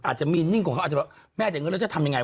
อาจจะมีนิ่งของเขาอาจจะแบบแม่เดี๋ยวเงินแล้วจะทำยังไง